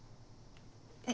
え？